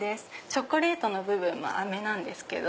チョコレートの部分も飴なんですけど。